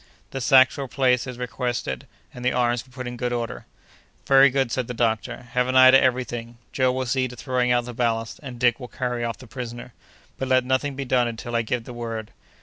The sacks were placed as requested, and the arms were put in good order. "Very good!" said the doctor. "Have an eye to every thing. Joe will see to throwing out the ballast, and Dick will carry off the prisoner; but let nothing be done until I give the word.